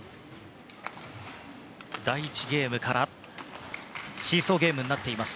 第１ゲームからシーソーゲームになっています。